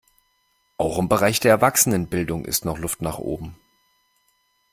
Auch im Bereich der Erwachsenenbildung ist noch Luft nach oben.